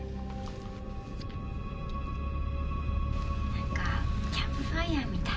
何だかキャンプファイヤーみたい。